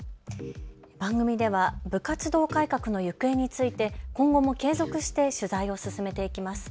番組では部活動改革の行方について今後も継続して取材を進めていきます。